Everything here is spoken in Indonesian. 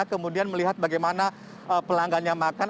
kemudian melihat bagaimana pelanggan yang makan